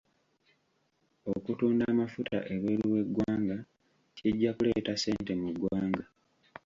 Okutunda amafuta ebweru w'eggwanga kijja kuleeta ssente mu ggwanga.